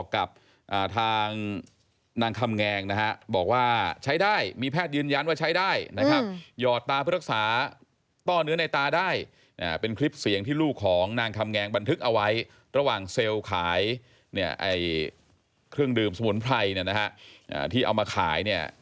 ขายเครื่องดื่มสมุนไพรที่เอามาขาย